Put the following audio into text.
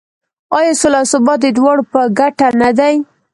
آیا سوله او ثبات د دواړو په ګټه نه دی؟